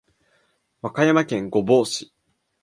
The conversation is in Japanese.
和歌山県御坊市